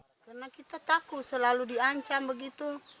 karena kita takut selalu diancam begitu